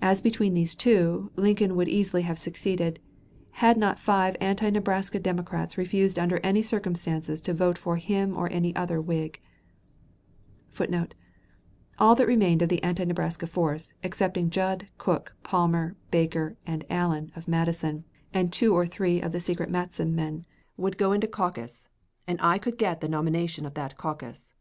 As between these two, Lincoln would easily have succeeded, had not five anti Nebraska Democrats refused under any circumstances to vote for him or any other Whig, [Footnote: "All that remained of the anti Nebraska force, excepting Judd, Cook, Palmer, Baker, and Allen, of Madison, and two or three of the secret Matteson men, would go into caucus, and I could get the nomination of that caucus.